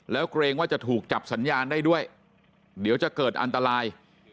แล้วเกรงว่าจะถูกจับสัญญาณได้ด้วยเดี๋ยวจะเกิดอันตราย